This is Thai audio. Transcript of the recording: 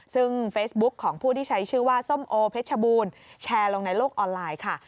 ซึ่งเฟซบุ๊คของผู้ที่ใช้ชื่อว่าส้มโอเพชรบูรณ์แชร์ลงในโลกออนไลน์ค่ะ